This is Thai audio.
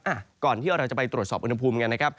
อ่ะก่อนที่เราจะไปตรวจสอบอุณหภูมิกันนะครับ